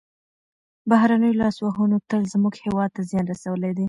بهرنیو لاسوهنو تل زموږ هېواد ته زیان رسولی دی.